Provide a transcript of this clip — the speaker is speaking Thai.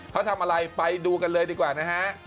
เขาทำอะไรไปดูกันเลยดีกว่านะฮะ